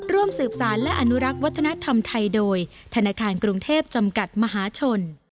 ร่วมสืบสารและอนุรักษ์วัฒนธรรมไทยโดยธนาคารกรุงเทพจำกัดมหาชน